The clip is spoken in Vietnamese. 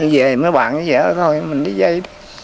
về mới bạn như vậy thôi mình đi dây